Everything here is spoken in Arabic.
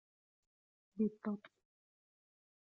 بالضبط!